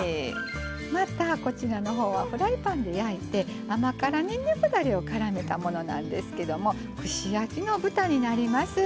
またこちらのほうはフライパンで焼いて甘辛にんにくだれをからめたものなんですけども串焼きの豚になります。